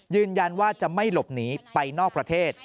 ยืนยันว่าจะไม่หลบหนีไปนอกประเทศ